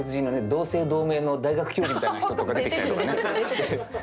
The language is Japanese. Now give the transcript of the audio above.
同姓同名の大学教授みたいな人とか出てきたりとかして。